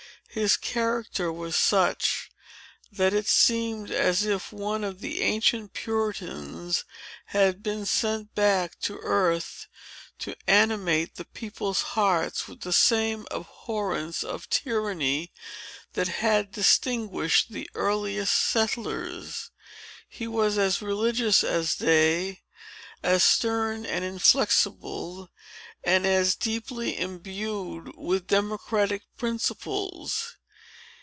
"His character was such, that it seemed as if one of the ancient Puritans had been sent back to earth, to animate the people's hearts with the same abhorrence of tyranny, that had distinguished the earliest settlers. He was as religious as they, as stern and inflexible, and as deeply imbued with democratic principles.